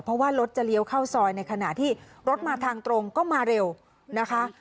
เพราะว่ารถจะเลี้ยวเข้าซอยในขณะที่รถมาทางตรงก็มาเร็วนะคะ